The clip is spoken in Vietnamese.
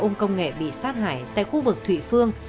xe ôm công nghệ bị sát hại tại khu vực thụy phương